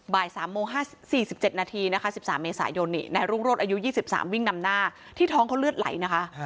๔๗นาทีนะคะ๑๓เมษายนนายรุ่งโรศอายุ๒๓วิ่งนำหน้าที่ท้องเขาเลือดไหลนะคะ